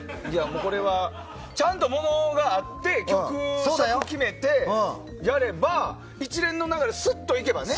これは、ちゃんと物があって脚色を決めてやれば一連の流れをすっとやればね。